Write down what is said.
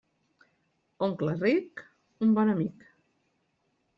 Oncle ric, un bon amic.